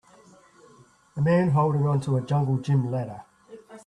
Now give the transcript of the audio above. A man holding onto a jungle gym ladder.